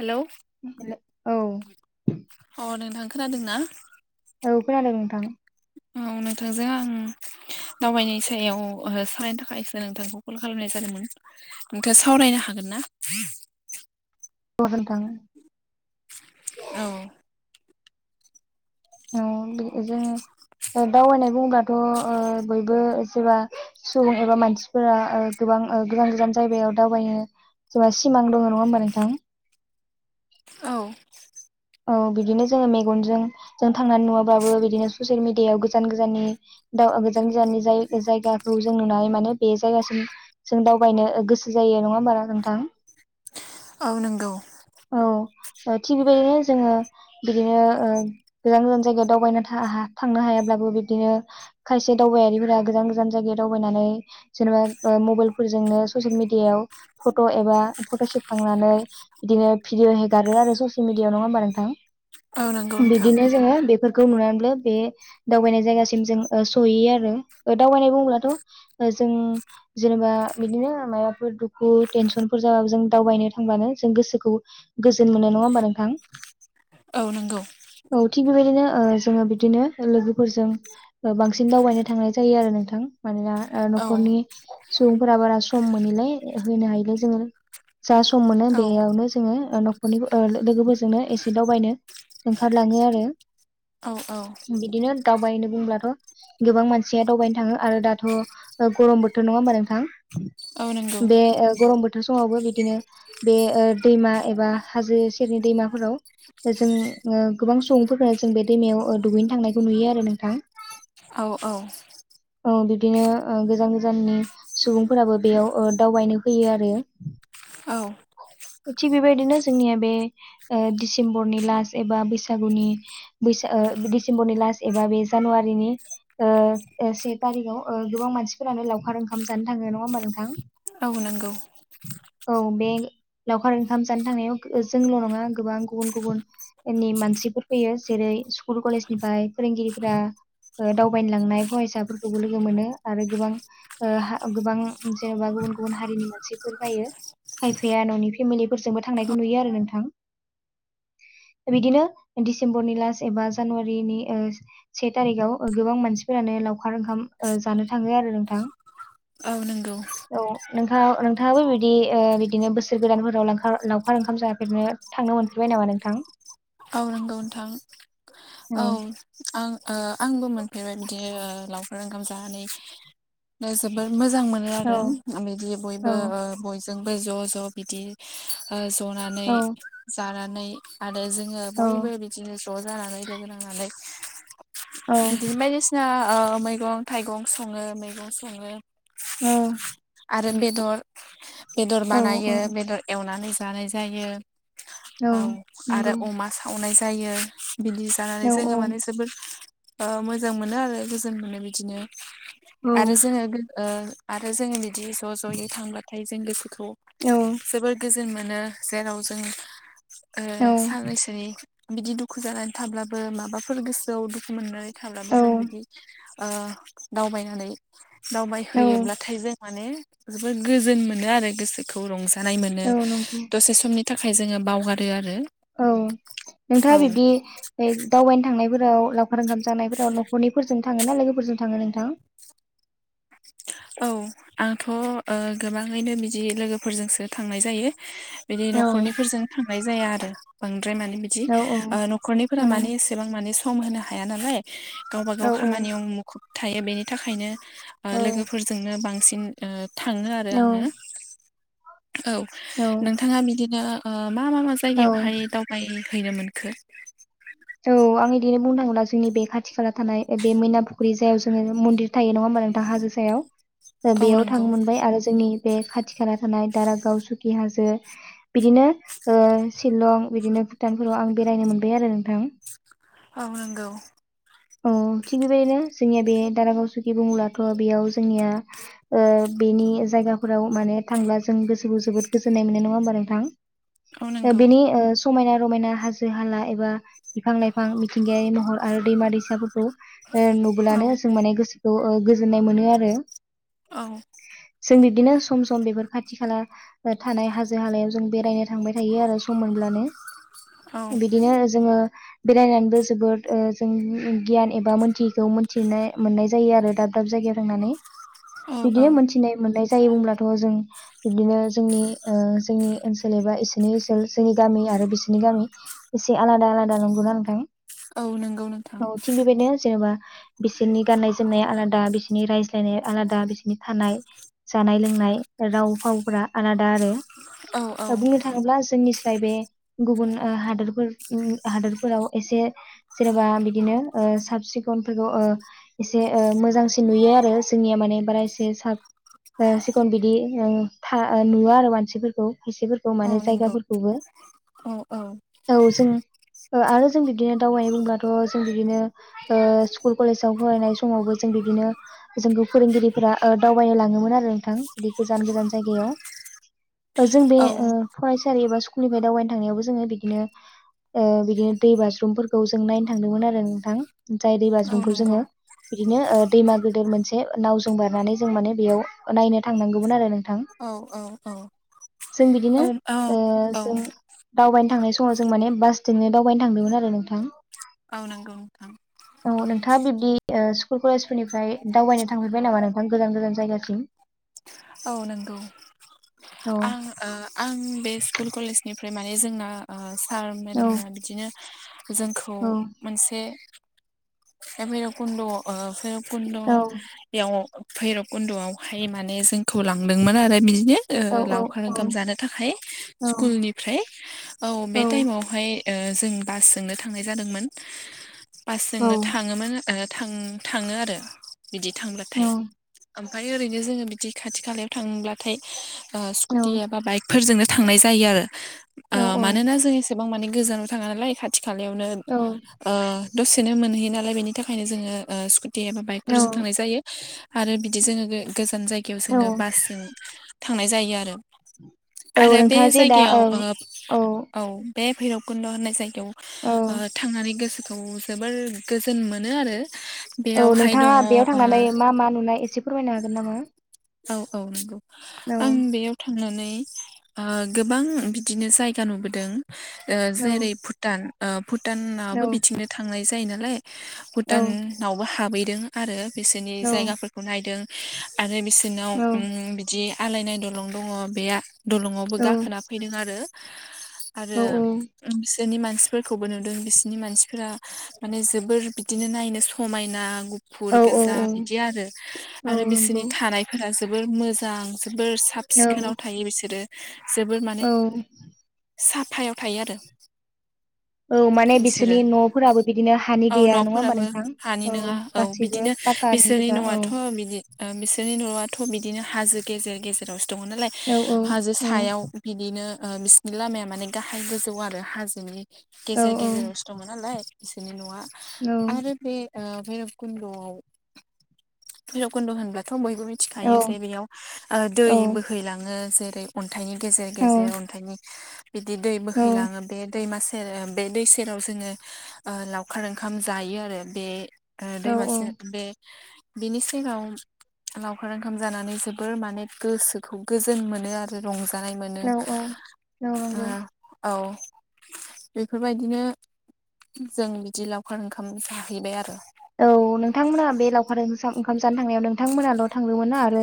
Hello हेल' औ अ नोंथां खोनादोंना औ खोनादों नोंथां औ नोंथांजों आं दावबायनायनि सायाव सावरायनो थाखायसो नोंथांखौ कल खालामनाय जादोंमोन नोंथाङा सावरायनो हागोन ना ओ हागोन नोंथां औ औ बेजों दावबायनाय बुङोब्लाथ' ओ बयबो जेबा सुबुं एबा मानसिफोरा गोबां गोबां गोजान गोजान जायगायाव दावबायनो जेनबा सिमां दङ नङा होमबा नोंथां औ औ बिदिनो जोङो मेगनजों जों थांनानै नुवाबाबो बिदिनो ससियेल मिडियायाव गोजान गोजाननि गोजान गोजाननि जाय जायगाखौ जों नुनानै माने बे जायगासिम जों दावबायनो गोसो जायो नङा होनबा नोंथां औ नंगौ औ थिग बेबायदिनो जोङो बिदिनो गोजान गोजान जायगायाव दावबायनो थांनो हायाब्लाबो बिदिनो खायसे दाव बायारिफोरा गोजान गोजान जायगायाव दावबायनानै जेनेबा मबाइल फोरजोंनो सुसेल मिडियायाव फट' एबा फट' सेबखांनानै बिदिनो भिडिय हेगारो आरो ससियेल मिडियाआव नङा होमबा नोंथां औ नंगौ नोंथां बिब्दिनो जोङो बेफोर खौ नुनानैबो बे दावबायनाय जायगासिम जों सहैयो आरो दावबायनाय बोङोब्लाथ जों जेनेबा बिदिनो माबाफोर दुखु टेनसनफोर जाबाबो जों दावबायनो थांब्लानो जों गोसोखौ गोजोन मोननाय नङा होमबा नोंथां औ नंगौ औ थिग बेबायदिनो जोङो बिदिनो लोगोफोरजों बांसिन दावबायनो थांनाय जायो आरो नोंथां मानोना औ न'खरनि सुबुंफोरा बारा सम मोनैलाय होनो हायलै जोङो जा सम मोन औ बेयावनो जोङो न'खरनि लोगोफोरजोंनो एसे दावबायनो ओंखारलाङो आरो औ औ बिदिनो दावबायनो बुंब्लाथ गोबां मानसिया दावबायनो थाङो आरो दाथ गरम बोथोर नङा होमबा नोंथां औ नंगौ बे गरम बोथोर समावबो बिदिनो बे दैमा एबा हाजो सेरनि दैमाफोराव जों गोबां सुबुंफोरखौनो जों बे दैमायाव दुगैनो थांनायखौ नुयो आरो नोंथां औ औ बिब्दिनो गोजान गोजाननि सुबुंफोराबो बेयाव दावबायनो फैयो आरो औ थिग बेबायदिनो जोंनिया बे डिसेम्बरनि लास्ट एबा बैसागुनि बैसागु दिसेम्बरनि लास एबा बे जानुवारिनि से थारि गोबां मानसि लावखार ओंखाम जानो थाङो नङा होमबा नोंथां औ नंगौ औ बे लावखार ओंखाम जानो थांनायाव जोंल' नङा गोबां गुबुन गुबुननि मानसिफोर फैयो जेरै स्कुल कलेज निफ्राय फोरोंगिरिफोरा दावबायलांनाय फरायसाफोरखौबो लोगो मोनो आरो गोबां गोबां जेनेबा गुबुन गुबुन हारिनि मानसिफोर बायो खायफाया न'नि फेमिलिफोरजोंबो थांनायखौ नुयो आरो नोंथां [inaudible] बिदिनो डिसेम्बरनि लास्ट एबा जानुवारिनि से थारिखाव गोबां मानसिफोरानो लावखार ओंखाम जानो थाङो आरो नोंथां औ नंगौ नोंथां नोंथाङाबो बिदि बिदि बिदिनो बोसोर गोदानफोराव ला लावखार ओंखाम जानाफैनो थांनो मोनफेरबाय नामा नोंथां गाव नोंगौ नोंथां औ आं आंबो मोनफेरबाय बिदिनो लावखार ओंखाम जानानै जोबोर मोजां मोनो औ आरो बिदि औ बयबो बयजोंबो ज' ज' बिदि जनानै औ जानानै आरो आरो जोङो औ बयबो बिदिनो ज' जानानै लोगो नांनानै औ बिदि बायदिसिना मैगं थाइगं सङो मैगं सङो औ आरो बेदर बेदर औ बानायो औ बेदर एवनानै जानाय जायो औ आरो नंगौ अमा सावनाय जायो बिदि औ जानानै जोङो माने जोबोद मोजां मोनो आरो गोजोन मोनो बिदिनो औ आरो जोङो आरो जोङो बिदि ज' ज'यै थांबथाय जों गोसो खौ औ जोबोर गोजोन मोनो जेराव जों औ सानै सिरि बिदि दुखु जानानै थाब्लाबो माबाफोर गोसोआव दुखु मोननाय थाब्लाबो औ जों बिदि दावबायनानै औ दावबायहैयोब्लाथाय जों माने जोबोद गोजोन मोनो आरो गोसोखौ रंजानाय मोनो औ नंगौ दसे समनि थाखाय जोङो बावगारो आरो औ औ नोंथाङा बिब्दि दावबायनो थांनायफोर औ लावखार ओंखाम जानायफोराव न'खरनिफोरजों थाङ ना लोगोफोरजों थाङो नोंथां [inaudible] औ आंथ' गोबाङैनो बिदि लोगोफोरजोंसो थांनाय जायो बिदि औ न'खरनिफोरजों थांनाय जाया आरो बांद्राय माने बिदि औ न'खरनिफोरा मानि एसेबां माने सम होनो हाया नालाय गावबा औ गाव खामानियाव मुखुब थायो बेनि थाखायनो औ लोगोफोरजोंनो बांसिन थाङो आरो औ आङो औ औ नोंथाङा बिदिनो मा मा मा औ जायगायावहाय दावबायायो हैनो मोनखो औ आं बिदिनो बुं थाङोब्ला जोंनि बे खाथि खाला थानाय बे मैनाफुख्रि जायाव जोङो मन्दिर थायो नङा मांथा हाजो सायाव औ बेयाव नंगौ थांनो मोनबाय आरो जोंनि बे खाथि खाला थानाय दारागाव सुकि हाजो बिदिनो सिलं बिदिनो भुटानफोराव आं बेरायनो मोनबाय आरो नोंथां औ नंगौ औ थिग बेबायदिनो जोंनिया बे दारागाव सुकि बुङोब्लाथ' बेयाव जोंनिया‌ ओ बेनि जायगाफोराव माने थांब्ला जों गोसोखौ जोबोद गोजोननाय मोनो नङा होमबा औ नोंथां नंगौ बेनि समायना रमायना हाजो हाला एबा बिफां लाइफां मिथिंगायारि महर आरो दैमा दैसाफोरखौ औ नुबोलानो जों माने गोसो गोजोननाय मोनो आरो औ जों बिफदिनो सम सम बेफोर खाथि खाथि खाला थानाय हाजो हालायाव जों बेरायनो थांबाय थायो आरो सम मोनब्लानो औ बिदिनो आरो जोङो बेरायनानैबो जोबोद जों गियान एबा मोनथियिखौ मोनथि मोननाय जायो आरो दा दाब दाब जायगायाव थांनानै औ औ बिदिनो मोनथिनाय मोननाय जायो होनब्लाथ' जों बिबदिनो जोंनि जोंनि ओनसोल एबा इसोरनि ओनसोल जोंनि गामि आरो बिसोरनि गामि एसे आलादा आलादा नंगौना नोंथां औ नंगौ नोंथां औ थिग बेबायदिनो जेनेबा बिसोरनि गाननाय जोमनाया आलादा बिसोरनि रायज्लायनाया आलादा बिसोरनि थानाय जानाय लोंनाय राव फावफोरा आलादा आरो औ औ बुंनो थाङोब्ला जोंनिस्राय बे गुबुन हादोरफोर हादोरफोराव एसे जेनेबा बिदिनो साब सिखनफोरखौ एसे ओ मोजांसिन नुयो आरो जोंनिया माने बारा एसे सा सिखन बिदि नुवा आरो मानसिफोरखौ खायसेफोरखौ औ माने जायगाफोरखौबो औ औ औ जों आरो जों बिदिनो दावबायनाय बुंब्लाथ' जों बिदिनो स्कुल कलेजाव फरायनाय समावबो जों बिदिनो जोंखौ फोरोंगिरिफोरा ओ दावबायनो लाङोमोन आरो नोंथां बिदि गोजान गोजान जायगायाव जों बे औ फरायसालि एबा स्कुलनिफ्राय दावबायनो थांनायावबो जोङो बिदिनो ओ बिदिनो दै बाज्रुमफोरखौ जों नायनो थांदोंमोन आरो नोंथां जाय दै औ बाज्रुमखौ नंगौ जोङो बिदिनो दैमा गोदेर मोनसे नावजों बारनानै जों माने बेयाव नायनो थांनांगौमोन आरो नोंथां औ औ औ जों औ बिदिनो औ ओ औ जों दावबायनो थांनाय समाव जों माने बास जोंनो दावबायनो थांदोंमोन आरो नोंथां औ नंगौ नोंथां औ नोंथाङा बिब्दि स्कुल कलेजफोरनिफ्राय दावबायनो थांफेरबाय नामा नोंथां गोजान गोजान जायगासिम औ नंगौ औ आं ओ आं बे स्कुल कलेजनिफ्राय माने जोंना सार औ मेदामा बिदिनो जोंखौ औ मोनसे बैरुबखुण्ड ओ औ भैरबखुनदआव भैरब कुन्द'आवहाय माने जोंखौ लांदोंमोन आरो बिदिनो औ लावखार औ ओंखाम जानो थाखाय औ स्कुलनिफ्राय औ बे टाइमावहाय जों बासजोननो थांनाय जादोंमोन औ बासजोंनो थाङोमोन थां थाङो आरो बिदि थांब्लाथाय ओमफ्राय ओरैनो जोङो बिदि खाथि खालायाव थांङोब्लाथाय औ स्कुटि एबा बाइकफोरजोंनो थांनाय जायो औ आरो मानोना जों एसेबां माने गोजानाव थाङा नालाय खाथि खाथि खालायावनो औ ओ दसेनो मोनहैयो नालाय बेनि थाखायनो जोङो स्कुति बा बाइकफोरजों औ थांनाय जायो आरो बिदि जोङो गोजान जायगायाव औ जोङो बासजों थांनाय जायो आरो औ आरो बे नोंथाङा जे दा औ जायगायाव ओ औ बे भैरबकुन्द' होननाय जायगायाव औ ओ थांनानै गोसोखौ जोबोर गोजोन मोनो आरो औ बेयावहाय दङ नोंथाङा ओ बेयाव थांनानै मा मा नुनाय एसे फोरमायनो हागोन नामा औ औ नंगौ औ आं बेयाव थांनानै ओ गोबां बिदिनो जायगा नुबोदों ओ औ जेरै भुटान औ भुटानाबो बिथिंनो थांनाय जायो नालाय भुटानावबो हाबैदों आरो बिसोरनि औ जायगाफोरखौ नायदों आरो बिसोरनाव औ उम बिदि आलायनाय दलं दङ बे दलङआवबो औ गाखोना फैदों आरो आरो उम बिसोरनि मानसिफोरखौबो नुदों बिसनि मानसिफोरा माने जोबोर बिदिनो नायनो समायना गुफुर औ गोजा बिदि आरो औ आरो बिसोरनि नंगौ थानायफोरा जोबोर मोजां जोबोर साब औ सिखोनाव थायो बिसोरो जोबोर माने औ साफायाव थायो आरो औ माने बिसोरो बिसोरनि न'फोराबो बिदिनो हानि औ गैया नङा होमबा न'फोराबो नोंथां? हानि नङा औ गासैबो बिदिनो पाकानि बिसोरनि गोजा औ न'आथ' बिदि ओ बिसोरनि न'आथ' बिदि दिनो हाजो गेजेर गेजेरावसो दङ नालाय औ औ हाजो औ सायाव बिदिनो बिसोरनि लामाया माने गाहाय गोजौ आरो हाजोनि औ गेजेर गेजेरावसो दङ नालाय इसोरनि नङा औ आरो बे ओ भैरब खुन्द'आव भैरबकुन्द' होनबथाय' बयबो औ मिथिखायो जे बेयाव ओ दै औ बोहैलाङो जेरै अन्थाइनि गेजेर गेजेर अन्थाइनि बिदि दै औ बोहैलाङो बे दै मासे सेर ओ बे दै सेराव जोङो ओ लावखार ओंखाम जायो आरो बे ओ औ औ दैमासे बे बिनि सेराव लावखार ओंखाम जानानै जोबोर माने गोसोखौ गोजोन मोनो आरो जानाय मोनो औ औ ओ नंगौ औ बेफोरबायदिनो जों बिदि लावखार ओंखाम जाहैबाय आरो औ नोंथांमोना बे लावखार ओंसाम ओंखाम जानो थांनायाव नोंथांमोनाल' थांदोंमोन ना आरो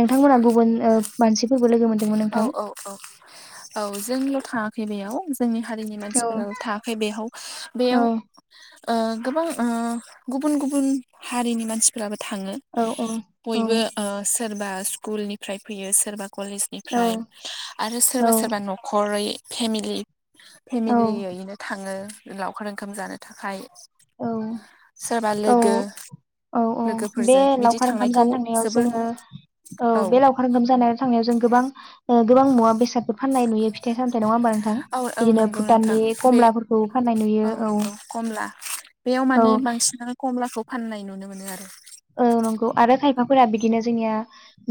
नोंथांमोना गुबुन ओ मानसिफोरबो लोगो मोनदोंमोन औ नोंथां औ औ औ जोंल' थाङाखै बेयाव जोंनि हारिनि मानसिफोर थाङाखै बेयाव औ बेयाव ओ गोबां ओ गुबुन गुबुन हारिनि मानसिफोराबो थाङो औ औ बयबो ओ सोरबा स्कुलनिफ्राय फैयो सोरबा कलेजनि औ फ्राय आरो औ सोरबा सोरबा न'खरै फेमिलि फेमिलियैनो थाङो लावखार ओंखाम जानो थाखाय सोरबा औ लोगो औ औ बे लोगोफोरजों बिदि लावखार ओंखाम थांनायखौ जानो थांनायाव जोबोर जोङो औ औ बे लावखार ओंखाम जानाय थांनायाव जों गोबां गोबां मुवा बेसादफोर फाननाय नाय नुयो फिथाइ सामथायाइ नङा होमबा नोंथां औ औ बिदिनो नंगौ नोंथां भुटाननि बे कमलाफोरखौ फान्नाय नुयो औ नंगौ कमला बेयाव औ माने बांसिनानो कमलाखौ फाननाय नुनो मोनो आरो औ नंगौ आरो खायफाफोरा बिदिनो जोंनिया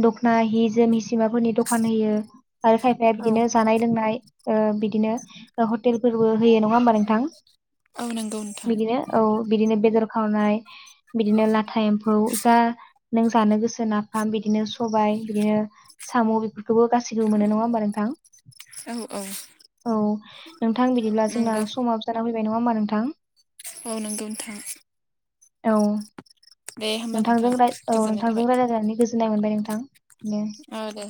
दख'ना हि जोम हिसिमाफोरनि दखान होयो आरो खायफाया बिदिनो जानाय लोंनाय ओ बिदिनो हटेलफोरबो होयो नङा होमबा नोंथां औ नंगौ नोंथां बिदिनो औ बिदिनो बेदर खावनाय बिदिनो लाथा एम फौ जा नों जानो गोसो नाफाम बिदिनो सबाय बिदिनो साम' बे खौबो गासैबो मोनो नङा होमबा नोंथां औ औ औ नोंथां बिदिब्ला जोंना नंगौ समाबो जाना फैबाय नङा होमबा नोंथां औ नोंगौ नोंथां औ दे होमबा नोंथां नोंथांजों राय ओ गोजोननाय थाबाय नोंथांजों रायज्लायनानै गोजोननाय मोनबाय नोंथां दे औ दे